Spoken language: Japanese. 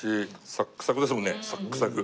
サックサクですもんねサックサク。